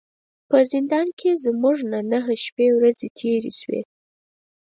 په زندان کې زموږ نه نهه شپې ورځې تیرې شوې.